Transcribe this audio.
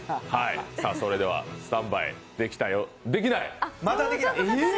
それではスタンバイできたようできない！？